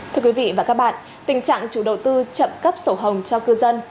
thưa quý vị và các bạn tình trạng chủ đầu tư chậm cấp sổ hồng cho cư dân